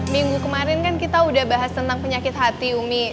minggu kemarin kan kita udah bahas tentang penyakit hati umi